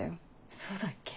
そうだっけ？